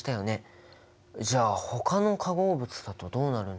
じゃあほかの化合物だとどうなるんだろう？